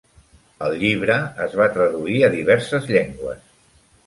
El llibre es va traduir a diverses llengües.